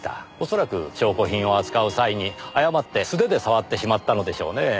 恐らく証拠品を扱う際に誤って素手で触ってしまったのでしょうねぇ。